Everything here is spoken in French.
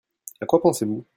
À quoi pensez-vous ?